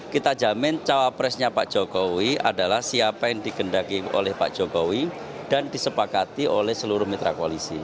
kita jamin cawapresnya pak jokowi adalah siapa yang digendaki oleh pak jokowi dan disepakati oleh seluruh mitra koalisi